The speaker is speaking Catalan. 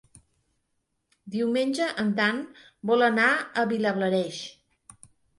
Diumenge en Dan vol anar a Vilablareix.